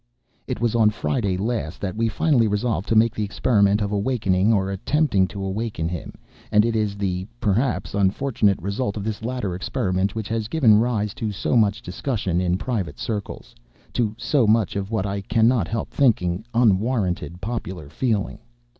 It was on Friday last that we finally resolved to make the experiment of awakening, or attempting to awaken him; and it is the (perhaps) unfortunate result of this latter experiment which has given rise to so much discussion in private circles—to so much of what I cannot help thinking unwarranted popular feeling.